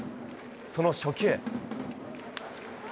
その初球。